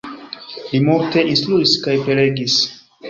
Li multe instruis kaj prelegis.